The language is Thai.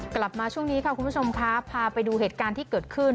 กลับมาช่วงนี้ค่ะคุณผู้ชมครับพาไปดูเหตุการณ์ที่เกิดขึ้น